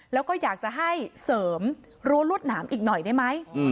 แล้วก็อยากจะให้เสริมรั้วรวดหนามอีกหน่อยได้ไหม